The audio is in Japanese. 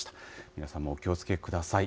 皆さんもお気をつけください。